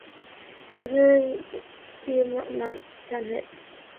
The third single, the rock-infused "Free Your Mind", became another top ten hit.